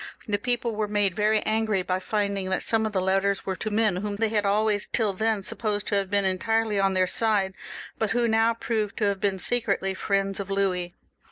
The people were made very angry by finding that some of the letters were to men whom they had always tiU then supposed to have been entirely on their side, but who now proved to have been secretly friends of Louis.